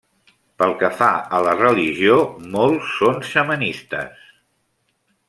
Pel que fa a la religió, molt són xamanistes.